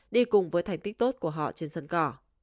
đi cùng với thành tích tốt của họ trên sân cỏ